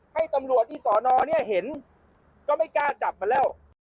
ให้ตำรวจที่สอนอเนี่ยเห็นก็ไม่กล้าจับมันแล้ว